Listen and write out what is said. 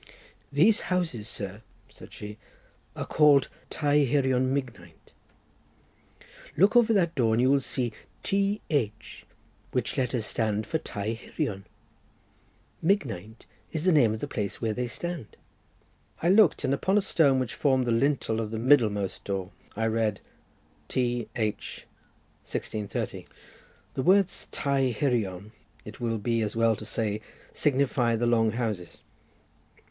"These houses, sir," said she, "are called Tai Hirion Mignaint. Look over that door and you will see T. H., which letters stand for Tai Hirion. Mignaint is the name of the place where they stand." I looked, and upon a stone which formed the lintel of the middlemost door I read T. H. 1630. The words Tai Hirion, it will be as well to say, signify the long houses.